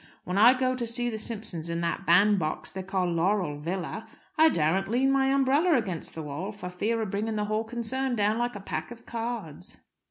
When I go to see the Simpsons in that bandbox they call Laurel Villa, I daren't lean my umbrella against the wall, for fear of bringing the whole concern down like a pack of cards."